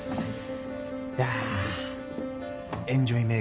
いやエンジョイ